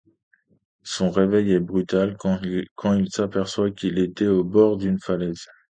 Son réveil est brutal quand il s'aperçoit qu'il était au bord d'une falaise.